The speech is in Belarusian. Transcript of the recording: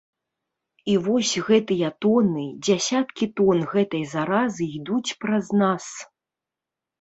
І вось гэтыя тоны, дзясяткі тон гэтай заразы ідуць праз нас.